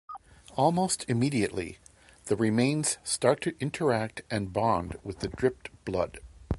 Almost immediately, the remains start to interact and bond with the dripped blood.